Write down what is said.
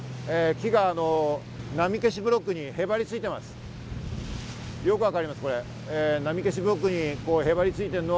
木が波消しブロックにへばり付いてます。